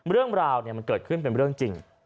เรื่องราวมันเกิดขึ้นเป็นเรื่องจริง